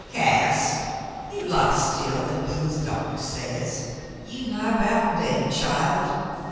'* Cass, you lie still and do as doctah says. You nigh about dade, child.